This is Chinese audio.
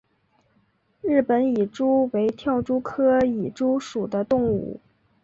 日本蚁蛛为跳蛛科蚁蛛属的动物。